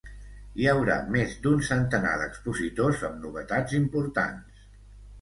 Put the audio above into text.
Hi haurà més d’un centenar d’expositors, amb novetats importants.